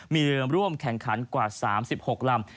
มีเรือร่วมแข่งขันกว่า๓๖ลำ